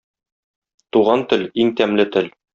Туган тел - иң тәмле тел.